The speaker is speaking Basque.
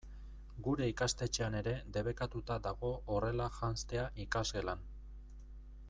Gure ikastetxean ere debekatuta dago horrela janztea ikasgelan.